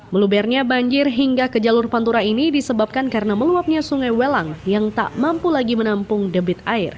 melubernya banjir hingga ke jalur pantura ini disebabkan karena meluapnya sungai welang yang tak mampu lagi menampung debit air